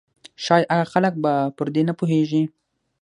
ښايي هغه خلک به پر دې نه پوهېږي.